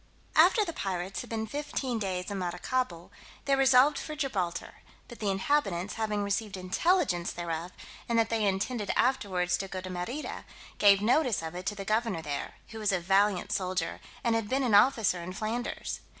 After the pirates had been fifteen days in Maracaibo, they resolved for Gibraltar; but the inhabitants having received intelligence thereof, and that they intended afterwards to go to Merida, gave notice of it to the governor there, who was a valiant soldier, and had been an officer in Flanders.